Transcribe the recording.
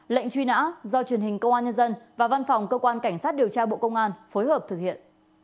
lệnh truy nã do truyền hình công an nhân dân và văn phòng cơ quan cảnh sát điều tra bộ công an phối hợp thực hiện